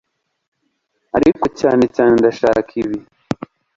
ariko cyane cyane ndashaka ibi